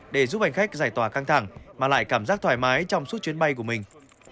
để giúp hành khách giải tỏa căng thẳng mà lại cảm giác thoải mái trong suốt chuyến bay của mình